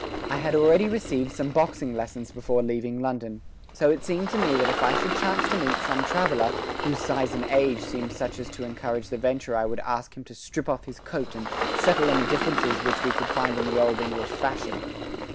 I had already received some boxing lessons before leaving London, so it seemed to me that if I should chance to meet some traveller whose size and age seemed such as to encourage the venture I would ask him to strip off his coat and settle any differences which we could find in the old English fashion.